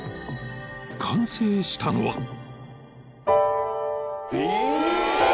［完成したのは］